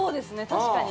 確かに。